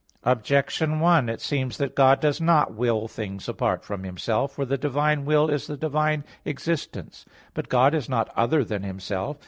Objection 1: It seems that God does not will things apart from Himself. For the divine will is the divine existence. But God is not other than Himself.